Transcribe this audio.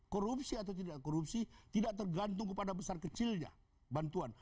korupsi atau tidak korupsi tidak tergantung kepada besar kecilnya bantuan